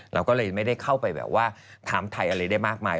เราก็เลยไม่ได้เข้าไปแบบว่าถามไทยอะไรได้มากมาย